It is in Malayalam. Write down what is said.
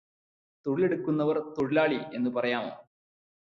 തൊഴിലെടുക്കുന്നവൻ തൊഴിലാളി എന്നു പറയാമോ?